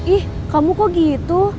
ih kamu kok gitu